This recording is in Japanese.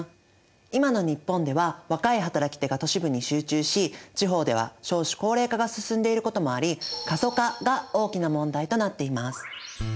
いまの日本では若い働き手が都市部に集中し地方では少子高齢化が進んでいることもあり過疎化が大きな問題となっています。